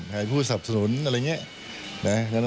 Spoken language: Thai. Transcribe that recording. ใครเป็นผู้สอบสนุนอะไรอย่างนี้